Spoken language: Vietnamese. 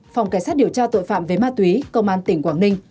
phòng cảnh sát điều tra tội phạm về ma túy công an tỉnh quảng ninh